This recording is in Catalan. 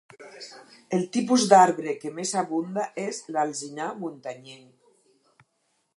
El tipus d'arbre que més abunda és l'alzinar muntanyenc.